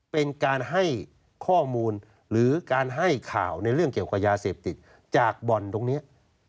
เป็นการให้ข้อมูลหรือการให้ข่าวในเรื่องเกี่ยวกับยาเสพติดจากบ่อนตรงนี้